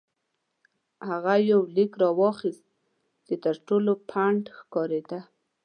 هغه یو لیک راواخیست چې تر ټولو پڼد ښکارېده.